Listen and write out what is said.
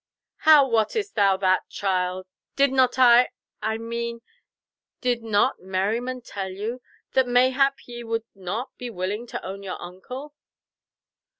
"How wottest thou that, child? Did not I—I mean did not Merryman tell you, that mayhap ye would not be willing to own your uncle?"